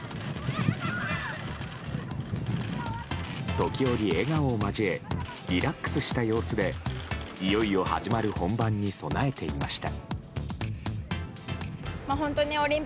時折、笑顔を交えリラックスした様子でいよいよ始まる本番に備えていました。